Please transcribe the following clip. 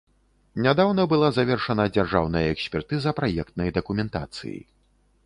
Нядаўна была завершана дзяржаўная экспертыза праектнай дакументацыі.